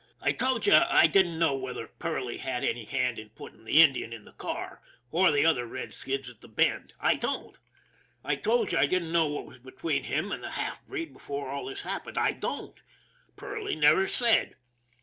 I told you I didn't know whether Perley had any hand in putting that Indian in the car, or the other red skins at the Bend. I don't. I told you I didn't know what was between him and the half breed before all this happened. I don't. Perley never said.